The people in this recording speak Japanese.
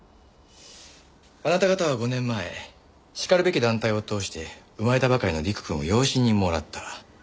あなた方は５年前しかるべき団体を通して生まれたばかりの陸くんを養子にもらった。